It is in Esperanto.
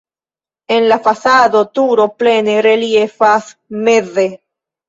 En la fasado la turo plene reliefas meze.